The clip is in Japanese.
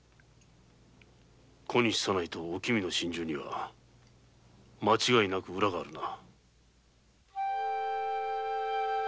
小西左内とおきみの心中には間違いなく裏があるな。